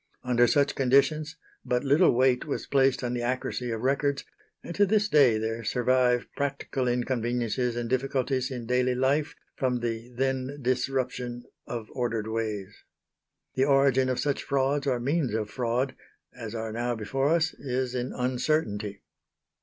Under such conditions but little weight was placed on the accuracy of records; and to this day there survive practical inconveniences and difficulties in daily life from the then disruption of ordered ways. The origin of such frauds or means of fraud as are now before us is in uncertainty.